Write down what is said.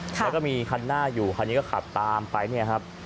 แล้วก็มีคันหน้าอยู่คันนี้ก็ขับตามไปเนี่ยครับ